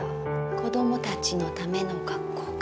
子どもたちのための学校か。